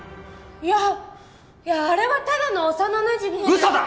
いやいやあれはただの幼なじみで嘘だ！